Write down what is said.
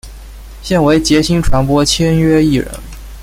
现为杰星传播签约艺人。